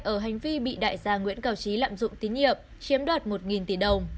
ở hành vi bị đại gia nguyễn cao trí lạm dụng tín nhiệm chiếm đoạt một tỷ đồng